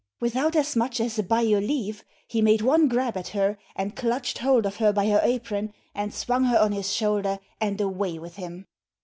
Without as much as a 'By your leave,' he made one grab at her, and clutched hold of her by her apron and swung her on his shoulder, and away with him.